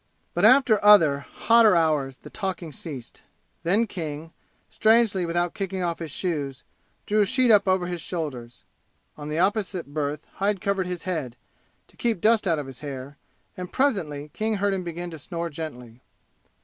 But after other, hotter hours the talking ceased. Then King, strangely without kicking off his shoes, drew a sheet up over his shoulders. On the opposite berth Hyde covered his head, to keep dust out of his hair, and presently King heard him begin to snore gently.